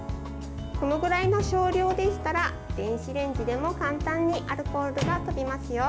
このぐらいの少量でしたら電子レンジでも簡単にアルコールがとびますよ。